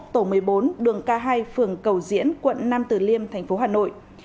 hai trăm hai mươi một tổ một mươi bốn đường k hai phường cầu diễn quận nam từ liêm tp hcm